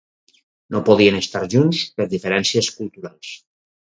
No podien estar junts per diferències culturals.